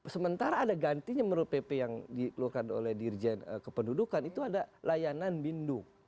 sementara ada gantinya menurut pp yang dikeluarkan oleh dirjen kependudukan itu ada layanan bindu